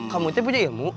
kamu itu punya ilmu